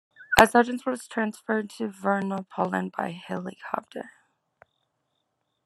A surgeon was transferred to "Verna Paulin" by helicopter.